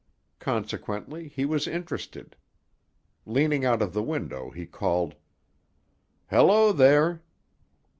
Consequently, he was interested. Leaning out of the window, he called: "Hello, there!"